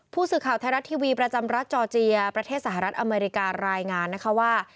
ผู้สื่อข่าวไทยรัฐทีวีประจำรัฐจอร์เจียประเทศสหรัฐอเมริการายงานนะคะว่า